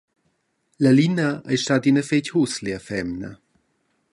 La Lina ei stada ina fetg huslia femna.